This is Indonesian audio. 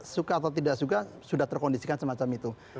suka atau tidak suka sudah terkondisikan semacam itu